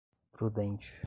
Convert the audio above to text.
prudente